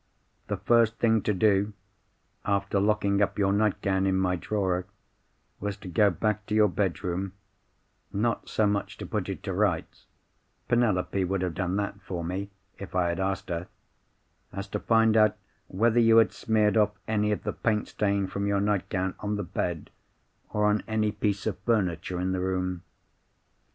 The first thing to do (after locking up your nightgown in my drawer) was to go back to your bedroom—not so much to put it to rights (Penelope would have done that for me, if I had asked her) as to find out whether you had smeared off any of the paint stain from your nightgown, on the bed, or on any piece of furniture in the room.